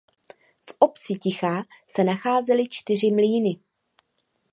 V obci Tichá se nacházely čtyři mlýny.